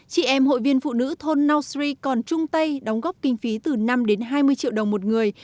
chị em hội viên phụ nữ thôn nau sri còn chung tay đóng góp kinh phí từ năm đến hai mươi triệu đồng một người